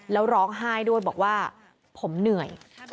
แล้วร้องไห้ด้วยบอกว่าผมเหนื่อย